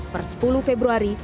per sepuluh februari